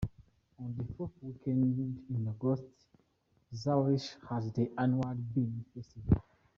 On the fourth weekend in August, Zurich has their annual Bean Festival.